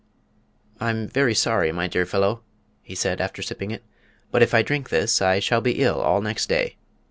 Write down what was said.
"I'm very sorry, my dear fellow," he said, after sipping it, "but if I drink this I shall be ill all next day.